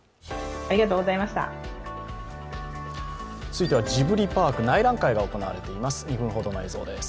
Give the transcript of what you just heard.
続いてはジブリパーク内覧会が行われています。